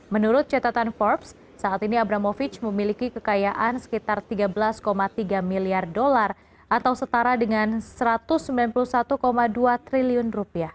menurut catatan forbes saat ini abramovic memiliki kekayaan sekitar rp tiga belas tiga miliar dolar atau setara dengan rp satu ratus sembilan puluh satu dua triliun